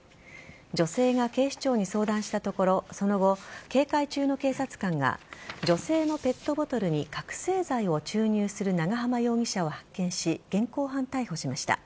女性が警視庁に相談したところその後警戒中の警察官が女性のペットボトルに覚醒剤を注入する長浜容疑者を発見し現行犯逮捕しました。